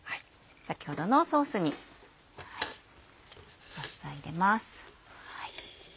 先ほどのソースにパスタ入れます。